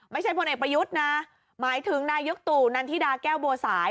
พลเอกประยุทธ์นะหมายถึงนายกตู่นันทิดาแก้วบัวสาย